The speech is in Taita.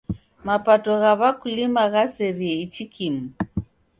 Mapato gha w'akulima ghaserie ichi kimu.